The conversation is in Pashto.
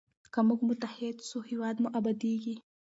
که موږ متحد سو هېواد مو ابادیږي.